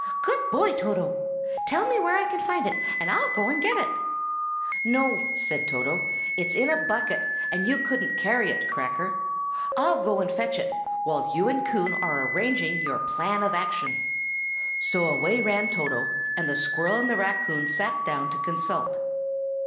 "Good boy, Toto! Tell me where I can find it, and I'll go and get it." "No!" said Toto. "It's in a bucket, and you couldn't carry it, Cracker! I'll go and fetch it, while you and Coon are arranging your plan of action." So away ran Toto, and the squirrel and the raccoon sat down to consult.